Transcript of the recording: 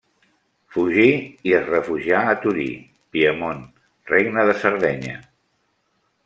Fugí i es refugià a Torí, Piemont, Regne de Sardenya.